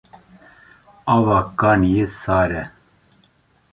Ava kaniyê sar e.